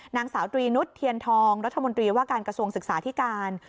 นางสาวตรีนุษย์เทียนทองรัฐมนตรีว่าการกระทรวงศึกษาธิการ